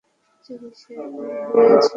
চিকিৎসায় ভুল হইয়াছিল কি?